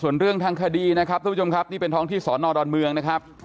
ส่วนเรื่องทางคดีนะครับทุกผู้ชมครับนี่เป็นท้องที่สอนอดอนเมืองนะครับ